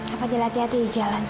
kak fadiyah hati hati di jalan